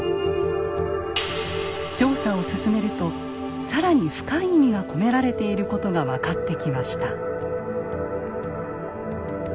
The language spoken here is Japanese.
調査を進めるとさらに深い意味が込められていることが分かってきました。